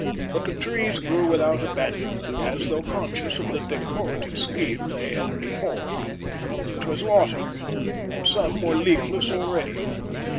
But the trees grew without abandonment, as though conscious of the decorative scheme they helped to form. It was autumn, and some were leafless already.